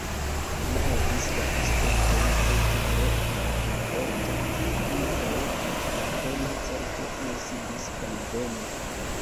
Li havis la aspekton esti tre malkomforta; ankaŭ la krono certe ne sidis konvene.